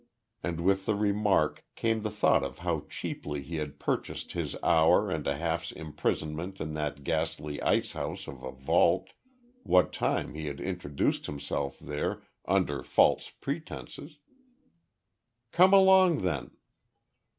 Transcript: And with the remark came the thought of how cheaply he had purchased his hour and a half's imprisonment in that ghastly ice house of a vault, what time he had introduced himself here under false pretences. "Come along then."